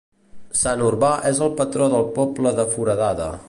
Sant Urbà és el patró del poble de Foradada.